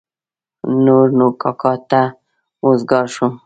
نور نو کاکا ته وزګار شوم.